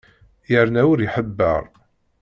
Yerna ur iḥebber.